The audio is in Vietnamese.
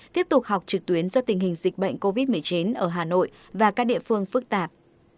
tiếp tục học trực tuyến do tình hình dịch bệnh covid một mươi chín ở hà nội và các địa phương phức tạp